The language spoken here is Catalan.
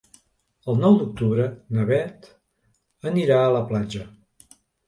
El nou d'octubre na Beth anirà a la platja.